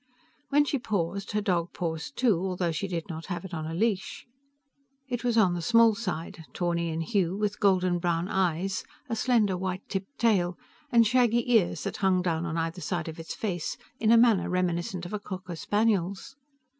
When she paused, her dog paused too, although she did not have it on a leash. It was on the small side, tawny in hue, with golden brown eyes, a slender white tipped tail, and shaggy ears that hung down on either side of its face in a manner reminiscent of a cocker spaniel's.